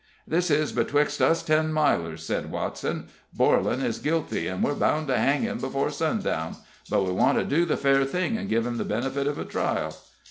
"This is betwixt us Ten Milers," said Watson. "Borlan is guilty, and we're bound to hang him before sundown; but we want to do the fair thing, and give him the benefit of a trial.